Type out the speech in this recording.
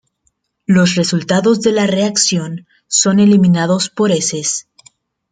Los resultados de la reacción son eliminados por heces.